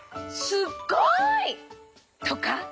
すっごい！」とか？